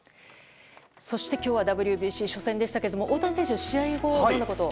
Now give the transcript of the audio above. そして、今日はＷＢＣ初戦でしたが大谷選手、試合後どんなことを？